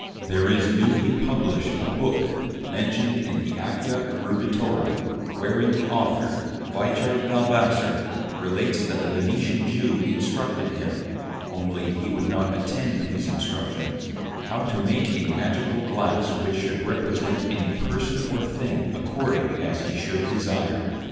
There is newly Published a Book (mentioned in the Acta Eruditorum) wherein the Author (Wiechard Valvassor) relates, that a Venetian Jew instructed him (only he would not attend his Instructions) how to make a Magical Glass which should represent any Person or thing according as he should desire.